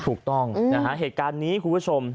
ถูกต้องนะฮะเหตุการณ์นี้คุณผู้ชม